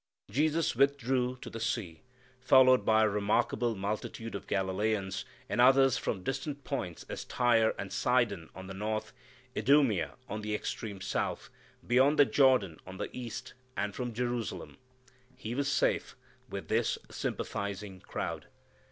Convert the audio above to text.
Jesus withdrew to the sea, followed by a remarkable multitude of Galileans, and others from such distant points as Tyre and Sidon on the north, Idumea on the extreme south, beyond the Jordan on the east, and from Jerusalem. He was safe with this sympathizing crowd.